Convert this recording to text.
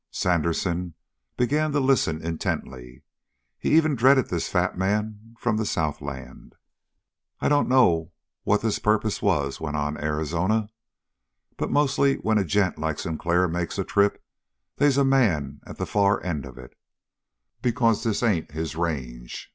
Sandersen began to listen intently. He even dreaded this fat man from the southland. "I dunno what this purpose was," went on Arizona, "but mostly when a gent like Sinclair makes a trip they's a man at the far end of it because this ain't his range.